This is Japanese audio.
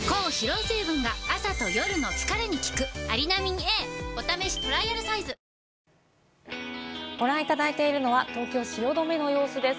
ニトリご覧いただいているのは東京・汐留の様子です。